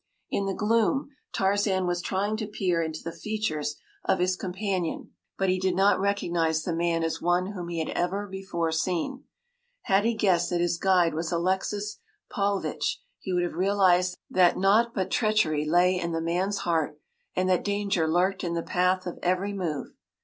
In the gloom Tarzan was trying to peer into the features of his companion, but he did not recognize the man as one whom he had ever before seen. Had he guessed that his guide was Alexis Paulvitch he would have realized that naught but treachery lay in the man’s heart, and that danger lurked in the path of every move.